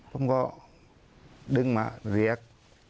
ผมก็ดึงมาเรียก